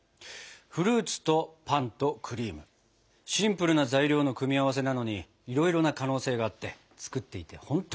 フルーツとパンとクリームシンプルな材料の組み合わせなのにいろいろな可能性があって作っていて本当に楽しかったです。